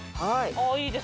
はい！